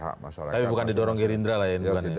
tapi bukan didorong gerindra lah yang bilangnya